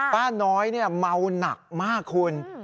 ป้าน้อยเมาหนักมากคุณ